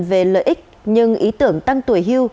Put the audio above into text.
về lợi ích nhưng ý tưởng tăng tuổi hưu